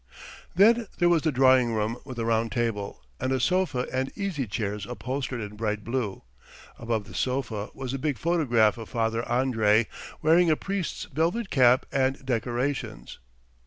Then there was the drawing room with the round table, and a sofa and easy chairs upholstered in bright blue. Above the sofa was a big photograph of Father Andrey wearing a priest's velvet cap and decorations.